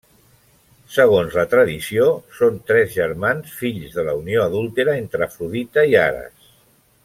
Segons la tradició són tres germans fills de la unió adúltera entre Afrodita i Ares.